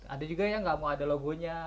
ada juga yang gak mau ada logonya